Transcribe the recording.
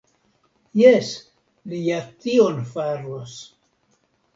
Jes, li ja tion faros.